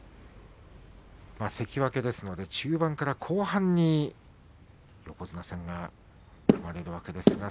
関脇ですので中盤から後半に横綱戦が組まれるわけです。